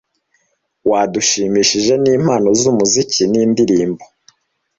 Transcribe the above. Wadushimishije n'impano z'umuziki n'indirimbo